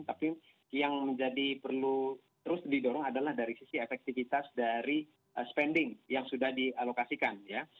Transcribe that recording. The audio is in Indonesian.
tapi yang menjadi perlu terus didorong adalah dari sisi efektivitas dari spending yang sudah dialokasikan ya